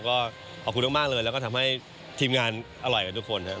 ก็ขอบคุณมากเลยแล้วก็ทำให้ทีมงานอร่อยกันทุกคนครับ